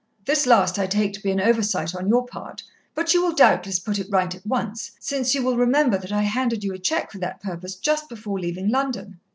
This last I take to be an oversight on your part, but you will doubtless put it right at once, since you will remember that I handed you a cheque for that purpose just before leaving London.